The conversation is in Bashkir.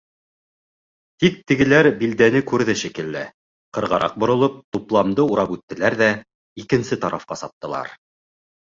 Тик тегеләр билдәне күрҙе шикелле, ҡырғараҡ боролоп, тупламды урап үттеләр ҙә икенсе тарафҡа саптылар.